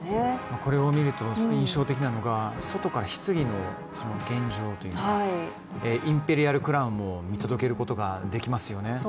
これを見ると印象的なのが、外からひつぎの現状、インペリアル・クラウンも見届けることができますよね。